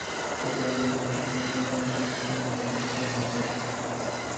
Posteriormente, la convección aumentó en el centro y se organizó en bandas de lluvia.